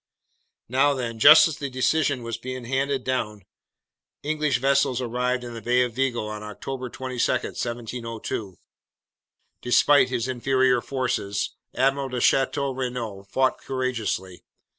"Now then, just as this decision was being handed down, English vessels arrived in the Bay of Vigo on October 22, 1702. Despite his inferior forces, Admiral de Chateau Renault fought courageously.